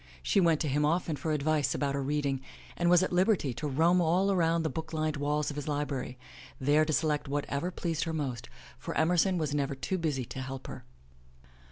She went to him often for advice about her reading and was at liberty to roam all around the book lined walls of his library, there to select what ever pleased her most, for Emerson was never too busy to help her.